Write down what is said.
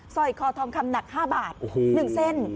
สร้อยคอทองคำหนัก๕บาท๑เส้น